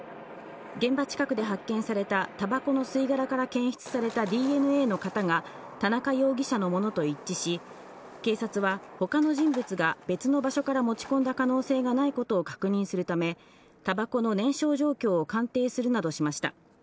現場近くで発見されたタバコの吸い殻から検出されたＤＮＡの型が田中容疑者のものと一致し、警察は他の人物が別の場所から持ち込んだ可能性がないことを確認するため、タバコの燃焼状況を鑑定するなどしました。